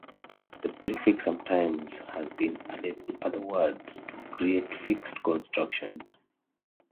The prefix sometimes has been added to other words to create fixed constructions.